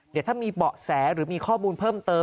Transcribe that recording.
เดี๋ยวถ้ามีเบาะแสหรือมีข้อมูลเพิ่มเติม